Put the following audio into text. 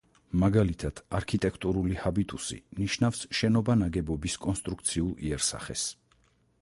მაგალითად არქიტექტურული ჰაბიტუსი ნიშნავს შენობა-ნაგებობის კონსტრუქციულ იერსახეს.